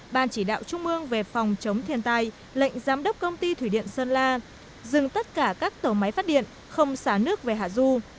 ban chỉ đạo trung ương về phòng chống thiên tai lệnh giám đốc công ty thủy điện sơn la dừng tất cả các tổ máy phát điện không xả nước về hạ du